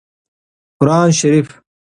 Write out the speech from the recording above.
قران شريف